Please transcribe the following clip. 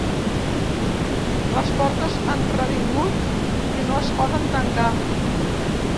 Les portes han revingut i no es poden tancar.